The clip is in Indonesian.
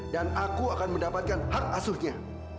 aku akan mendapatkan hak asuhnya